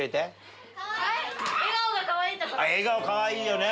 笑顔かわいいよね